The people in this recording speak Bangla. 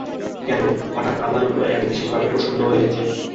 কেন, হঠাৎ আমার উপরে এত বিশেষভাবে প্রসন্ন হইলেন যে?